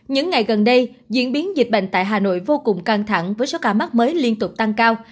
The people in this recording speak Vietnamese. những ngày gần đây diễn biến dịch bệnh tại hà nội vô cùng căng thẳng với số ca mắc mới liên tục tăng cao